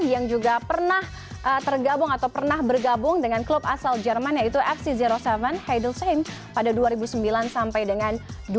yang juga pernah tergabung atau pernah bergabung dengan klub asal jerman yaitu fc zero tujuh haidel sains pada dua ribu sembilan sampai dengan dua ribu dua